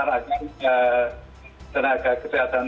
ini masalahnya kan penularannya melalui airbon jadi amat mudah penularannya